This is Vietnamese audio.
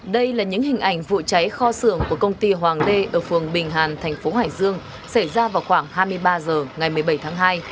đây là những hình ảnh vụ cháy kho xưởng của công ty hoàng đê ở phường bình hàn thành phố hải dương xảy ra vào khoảng hai mươi ba h ngày một mươi bảy tháng hai